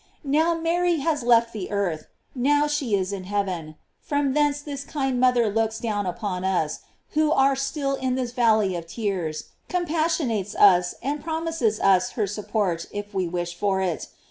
Now Mary has left the earth, now she is in heaven. From thence this kind mother looks down upon us, who are still in this valley of tears, compassionates us, and promises us her sup port if we wish for it.